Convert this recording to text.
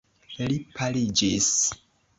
Li paliĝis.